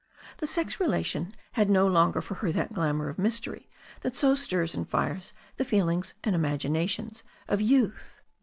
The sex relation had no longer for her that glamour of mystery that so stirs and fires the feelings and imaginations of youth.